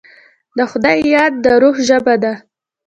د خدای یاد، د روح ژبه ده.